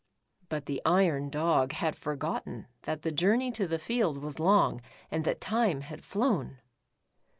But the iron Dog had forgotten that the jour ney to the field was long, and that time had flown.